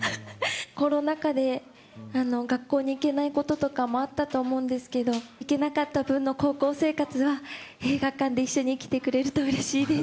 コロナ禍で学校に行けないこととかもあったと思うんですけど、行けなかった分の高校生活は、映画館で一緒に来てくれるとうれしいです。